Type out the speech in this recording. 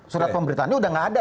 surat pemberitahuan ini udah gak ada